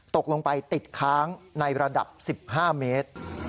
ตกลงไปติดค้างในระดับ๑๕เมตร